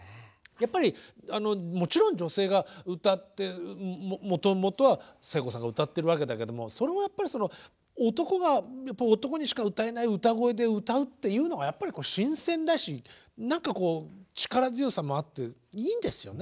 やっぱりもちろん女性が歌ってもともとは聖子さんが歌ってるわけだけどもそれを男が男にしか歌えない歌声で歌うっていうのがやっぱり新鮮だし何かこう力強さもあっていいんですよね。